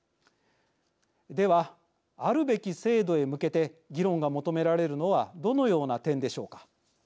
ではあるべき制度へ向けて議論が求められるのはどのような点でしょうか。